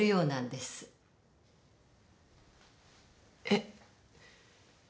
えっ。